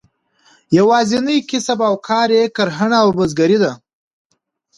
یوازینی کسب او کار یې کرهڼه او بزګري ده.